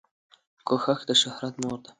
کوښښ دشهرت مور ده